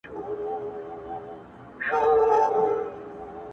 له هر کونجه یې جلا کول غوښتنه٫